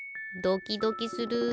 ドキドキする。